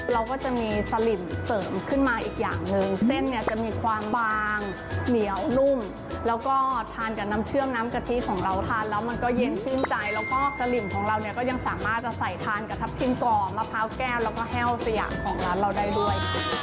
เราก็จะมีสลิมเสริมขึ้นมาอีกอย่างหนึ่งเส้นเนี่ยจะมีความบางเหนียวนุ่มแล้วก็ทานกับน้ำเชื่อมน้ำกะทิของเราทานแล้วมันก็เย็นชื่นใจแล้วก็สลิมของเราเนี่ยก็ยังสามารถจะใส่ทานกับทับทิมกรอบมะพร้าวแก้วแล้วก็แห้วสยามของร้านเราได้ด้วย